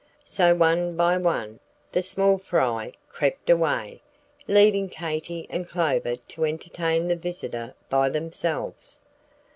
So, one by one, the small fry crept away, leaving Katy and Clover to entertain the visitor by themselves.